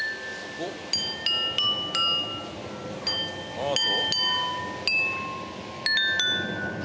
アート？